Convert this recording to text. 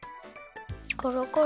コロコロ。